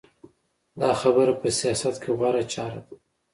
دا خبره په سیاست کې غوره چاره ده.